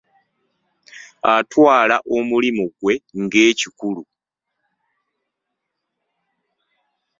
Atwala omulimu gwe ng'ekikulu.